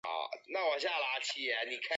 生母是岛津久丙之女阿幸。